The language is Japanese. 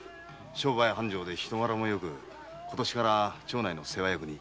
商売繁盛で人柄もよく今年から町内の世話役に。